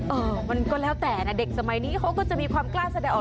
เออมันก็แล้วแต่นะเด็กสมัยนี้เขาก็จะมีความกล้าแสดงออก